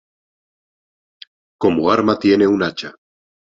Como arma tiene un hacha.